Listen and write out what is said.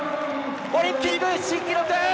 オリンピック新記録！